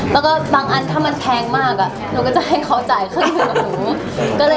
แล้วก็บางอันถ้ามันแพงมากหนูก็จะให้เขาจ่ายครึ่งหนึ่งกับหนู